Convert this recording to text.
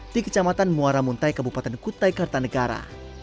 di kecamatan muara muntai kabupaten kutai kartanegara